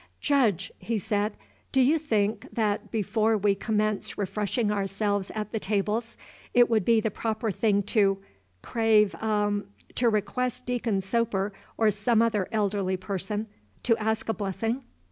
"Judge," he said, "do you think, that, before we commence refreshing ourselves at the tables, it would be the proper thing to crave a to request Deacon Soper or some other elderly person to ask a blessing?"